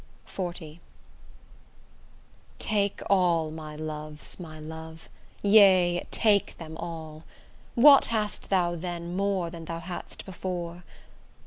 XL Take all my loves, my love, yea take them all; What hast thou then more than thou hadst before?